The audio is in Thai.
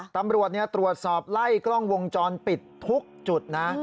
ตำรวจตรวจสอบไล่กล้องวงจรปิดทุกจุดนะ